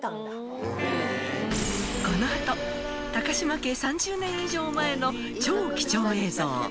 この後高嶋家３０年以上前の超貴重映像！